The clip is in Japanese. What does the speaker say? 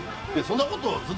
そんなこと。